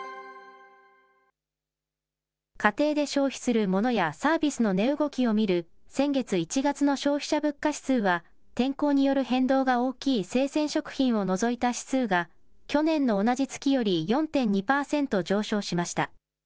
家庭で消費するモノやサービスの値動きを見る先月・１月の消費者物価指数は天候による変動が大きい生鮮食品を除いた指数が、去年の同じ月より４．２％上昇しました。